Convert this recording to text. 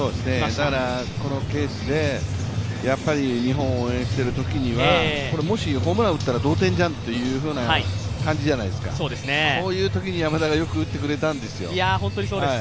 だからこのケースで、日本を応援しているときにはホームランを打ったら同点になるという感じじゃないですか、こういうときに山田がよく打ってくれたんですよ。